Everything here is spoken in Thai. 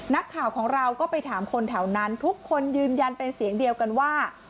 นักข่าวของเราก็ไปถามคนแถวนั้นทุกคนยืนยันเป็นเสียงเดียวกันว่า